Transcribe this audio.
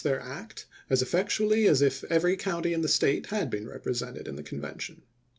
r^ act as eltectually as if every county in the State Uuion, Jan. 1864. had been represented in the Convention."